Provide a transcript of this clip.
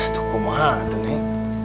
tuh kumah tuh neng